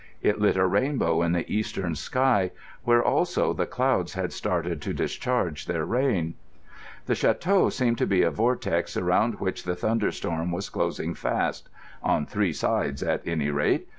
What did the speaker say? It lit a rainbow in the eastern sky, where also the clouds had started to discharge their rain. The château seemed to be a vortex around which the thunderstorm was closing fast—on three sides at any rate.